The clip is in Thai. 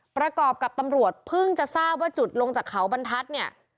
ประกอบกับตำรวจเพิ่งจะทราบว่าจุดลงจากเขาบรรทัศน์เนี่ย